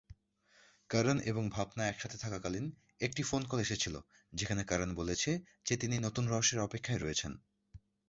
করণ এবং ভাবনা একসাথে থাকাকালীন একটি ফোন কল এসেছিল যেখানে করণ বলেছে যে তিনি নতুন রহস্যের অপেক্ষায় রয়েছেন।